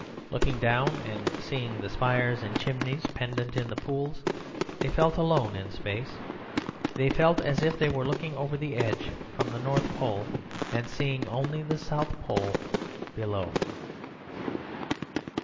Looking down and seeing the spires and chimneys pendent in the pools, they felt alone in space. They felt as if they were looking over the edge from the North Pole and seeing the South Pole below.